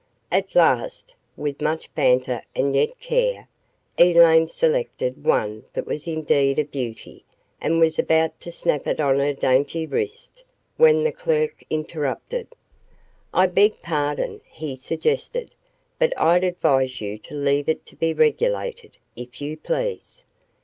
At last, with much banter and yet care, Elaine selected one that was indeed a beauty and was about to snap it on her dainty wrist, when the clerk interrupted. "I beg pardon," he suggested, "but I'd advise you to leave it to be regulated, if you please."